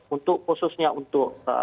untuk khususnya untuk